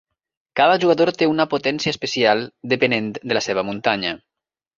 Cada jugador té una potència especial, depenent de la seva muntanya.